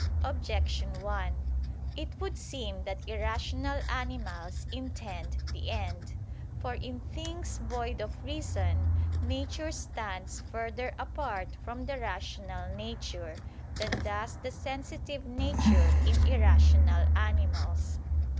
Objection 1: It would seem that irrational animals intend the end. For in things void of reason nature stands further apart from the rational nature, than does the sensitive nature in irrational animals.